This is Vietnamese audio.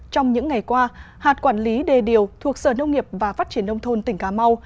trong những ngày qua hạt quản lý đề điều thuộc sở nông nghiệp và phát triển nông thôn tỉnh cà mau